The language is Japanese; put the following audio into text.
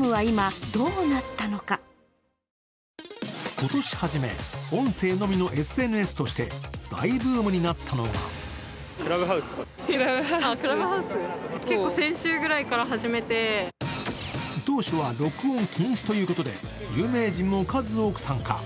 今年初め、音声のみのＳＮＳとして大ブームになったのが当初は録音禁止ということで有名人も数多く参加。